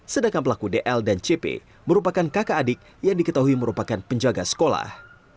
sedangkan pelaku dl dan cp merupakan kakak adik yang diketahui merupakan penjaga sekolah